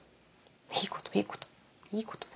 いいこといいこといいことだよ。